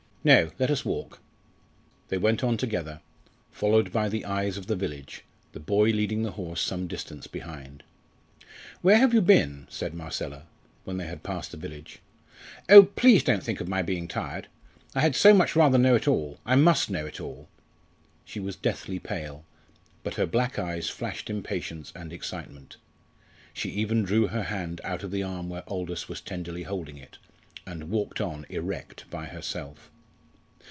"No, let us walk." They went on together, followed by the eyes of the village, the boy leading the horse some distance behind. "Where have you been?" said Marcella, when they had passed the village. "Oh, please don't think of my being tired! I had so much rather know it all. I must know it all." She was deathly pale, but her black eyes flashed impatience and excitement. She even drew her hand out of the arm where Aldous was tenderly holding it, and walked on erect by herself.